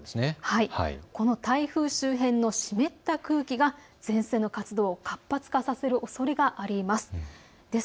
この台風周辺の湿った空気が前線の活動を活発化させるおそれがあります。